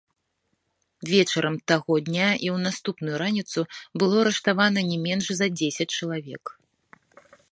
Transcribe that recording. Вечарам таго дня і ў наступную раніцу было арыштавана не менш за дзесяць чалавек.